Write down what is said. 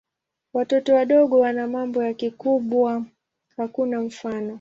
Watoto wadogo wana mambo ya kikubwa hakuna mfano.